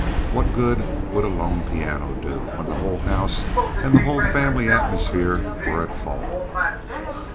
What good would a lone piano do, when the whole house and the whole family atmosphere were at fault?